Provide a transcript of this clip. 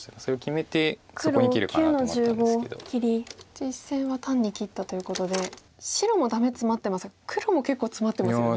実戦は単に切ったということで白もダメツマってますが黒も結構ツマってますよね。